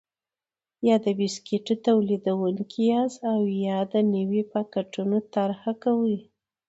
یا د بسکېټو تولیدوونکي یاست او د نویو پاکټونو طرحه کوئ.